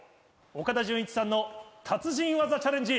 岡田准一さんの達人技チャレンジ。